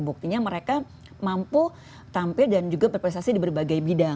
buktinya mereka mampu tampil dan juga berprestasi di berbagai bidang